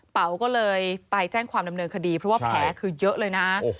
เป๋าก็เลยไปแจ้งความดำเนินคดีเพราะว่าแผลคือเยอะเลยนะ